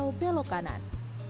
selain peluk kanan